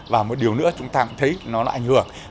và một điều nữa chúng ta cũng thấy nó là ảnh hưởng